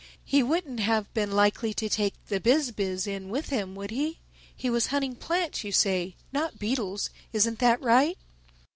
He wouldn't have been likely to take the Biz biz in with him, would he?—He was hunting plants, you say, not beetles. Isn't that right?"